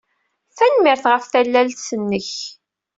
Tanemmirt ɣef tallalt-nnek.